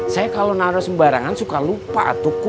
saya kalo taruh sembarangan suka lupa